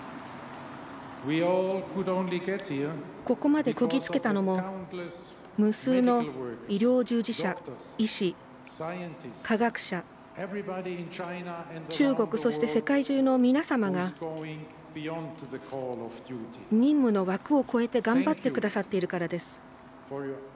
ここまで、こぎつけたのも無数の医療従事者医師、科学者、中国そして世界中の皆様が任務の枠を越えて頑張ってくださっているからです。